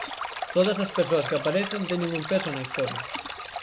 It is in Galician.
Todas as persoas que aparecen teñen un peso na historia.